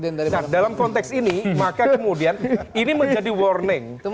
nah dalam konteks ini maka kemudian ini menjadi warning